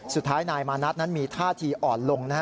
สุดท้ายนายมานัทนั้นมีท่าทีอ่อนลงนะฮะ